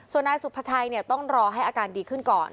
ส่วนนายสุภาชัยต้องรอให้อาการดีขึ้นก่อน